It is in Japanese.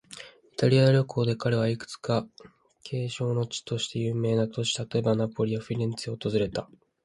イタリア旅行で彼は、いくつか景勝の地として有名な都市、例えば、ナポリやフィレンツェを訪れた。